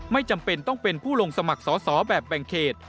ไม่จำเป็นต้องเป็นผู้ลงสมัครสอสอแบบแบ่งเขต